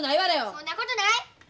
そんなことない！